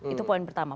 itu poin pertama